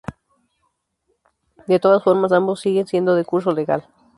De todas formas, ambos siguen siendo de curso legal.